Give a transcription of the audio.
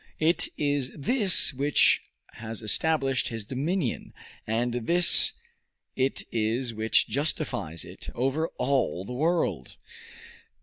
It is this which has established his dominion, and this it is which justifies it, over all the world.